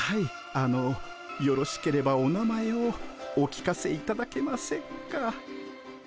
あのよろしければお名前をお聞かせいただけませんか？